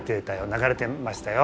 流れてましたよ！